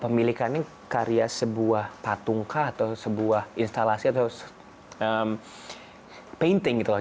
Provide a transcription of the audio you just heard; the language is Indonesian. pemilikan ini karya sebuah patungkah atau sebuah instalasi atau painting gitu loh